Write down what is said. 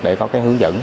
để có hướng dẫn